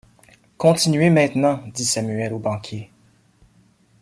Continuez maintenant, dit Samuel au banquier.